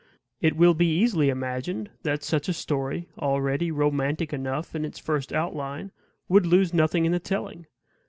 It will be easily imagined that such a story, already romantic enough in its first outline, would lose nothing in the telling.